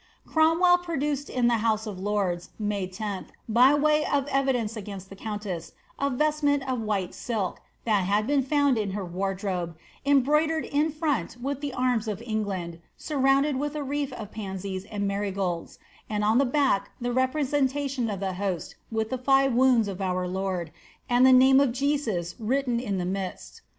Cromwell produced in the house of lords. May 10, by way of ovi dcorc against the countess, a vestment of white silk, ihat hud been found m her w&rdrobe, embroidered in front with the arms of England, sur ruuaitetl with a, wreath of paiisies and marigolds, and on the back llie npmcniation of the host, with tlie five wounds of our Lord, and the nviie d1 Jesus written in the midst.